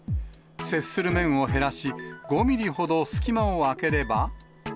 接する面を減らし、５ミリほど隙間を空ければ。